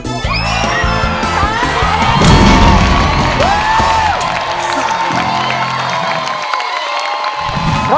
โอ้ค่ะ